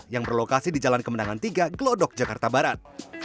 yang berlokasi di jalan kemenangan tiga glodok jakarta barat